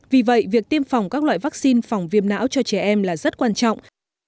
vì vậy việc tiêm phòng các loại vaccine phòng viêm não cho trẻ em là rất quan trọng